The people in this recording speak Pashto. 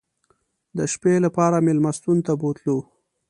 د شپې لپاره مېلمستون ته بوتلو.